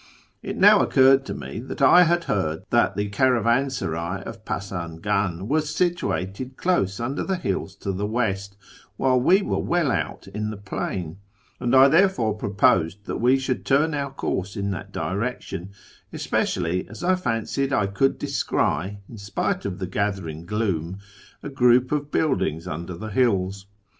It now FROM TEHERAN to ISFAHAn 171 occurred to nie that I had heard that the caravansaray of Pasangan was situated close under the hills to the west, while we were well out in the plain ; and I therefore proposed that we should turn our course in that direction, especially as I fancied I could descry, in spite of the gathering gloom, a group of buildings under the hills.